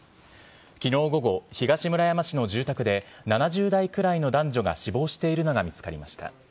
きのう午後、東村山市の住宅で７０代くらいの男女が死亡しているのが見つかりました。